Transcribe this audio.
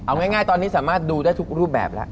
เอาง่ายตอนนี้สามารถดูได้ทุกรูปแบบแล้ว